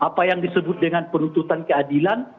apa yang disebut dengan penuntutan keadilan